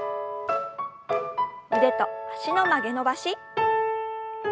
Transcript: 腕と脚の曲げ伸ばし。